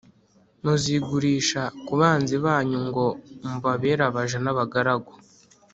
Muzigurisha ku banzi banyu ngo mubabere abaja n’abagaragu,